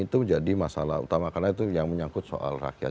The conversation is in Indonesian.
menurut saya ini masalah utama karena itu yang menyangkut soal rakyat